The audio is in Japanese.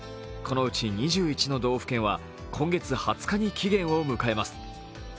このうち２１の道府県は今月２０日に期限を迎えます。